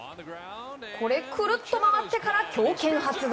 くるっと回ってから強肩発動。